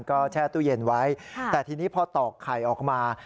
ก็แช่ตู้เย็นไว้แต่ทีนี้พอตอกไข่ออกมา